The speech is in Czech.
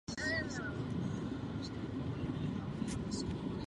V té době ještě nebylo možno vykonat postgraduální studia v Austrálii.